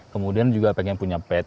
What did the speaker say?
kemudian juga pengen punya pet